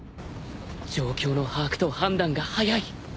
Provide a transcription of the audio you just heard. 状況の把握と判断が早い